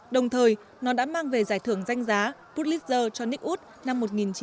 đồng thời nó đã mang về giải thưởng danh giá poodlisher cho nick wood năm một nghìn chín trăm bảy mươi